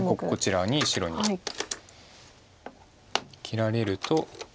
こちらに白に切られると。